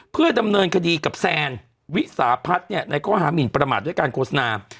เพื่อดำเนินคดีกับแซนวิสาพัฒน์ในข้อหามินประมาทด้วยการโฆษณา